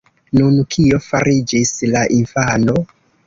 Nun, kio fariĝis la infano?